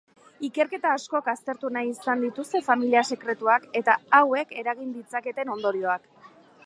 Ikerketa askok aztertu nahi izan dituzte familia sekretuak eta hauek eragin ditzaketen ondorioak.